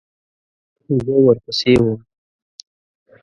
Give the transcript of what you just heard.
زه ورپسې وم .